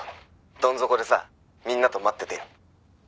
どんぞこでさみんなと待っててよ」